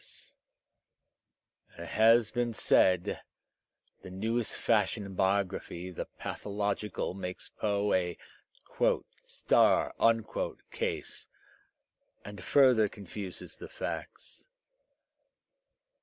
As has been said, the newest fashion in biography, the pathological, makes Poe a "star'* case and further confuses the facts.